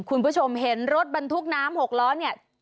คุณผู้ชมเห็นรถบรรทุกน้ำ๖ล้อเนี่ย